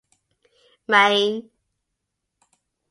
Mayne.